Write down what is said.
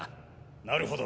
なるほど。